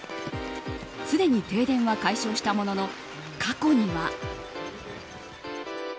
すでに停電は解消したものの過去には。